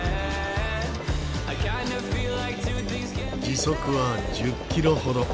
時速は１０キロほど。